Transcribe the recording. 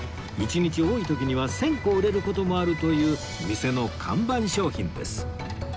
１日多い時には１０００個売れる事もあるという店の看板商品です